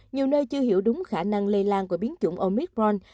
nhiều nơi chưa hiểu đúng khả năng lây lan của biến chủng omicron